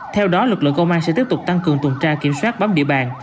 theo đó lực lượng công an sẽ tiếp tục tăng cường tuần tra kiểm soát bám địa bàn